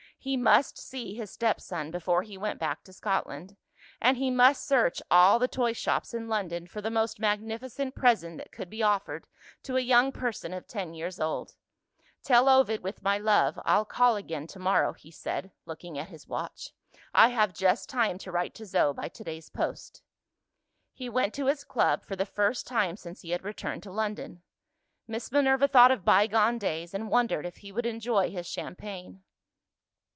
He must see his stepson before he went back to Scotland; and he must search all the toy shops in London for the most magnificent present that could be offered to a young person of ten years old. "Tell Ovid, with my love, I'll call again to morrow," he said, looking at his watch. "I have just time to write to Zo by to day's post." He went to his club, for the first time since he had returned to London. Miss Minerva thought of bygone days, and wondered if he would enjoy his champagne.